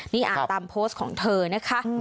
นี่อ่านตามโพสต์ของเธอนะคะ